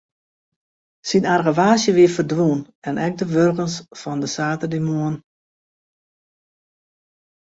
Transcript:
Syn argewaasje wie ferdwûn en ek de wurgens fan de saterdeitemoarn.